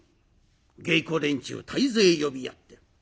芸子連中大勢呼び合って。